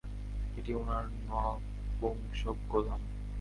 এটা উনার নপুংসক গোলাম!